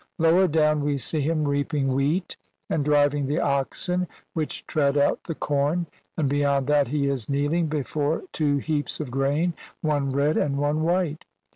Lower down we see him reaping wheat and driving the oxen which tread out the corn, and beyond that he is kneeling before two heaps of grain, one red and one white.